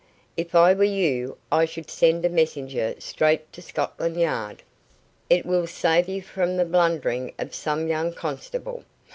"If I were you, I should send a messenger straight to Scotland Yard. It will save you from the blundering of some young constable.